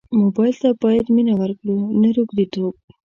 موبایل ته باید مینه ورکړو نه روږديتوب.